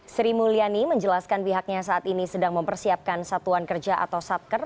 sri mulyani menjelaskan pihaknya saat ini sedang mempersiapkan satuan kerja atau satker